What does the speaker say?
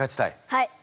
はい。